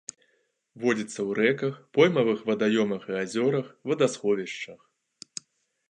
Водзіцца ў рэках, поймавых вадаёмах і азёрах, вадасховішчах.